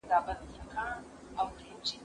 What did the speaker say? د خاوند معیارونه باید پټ ونه ساتل سي.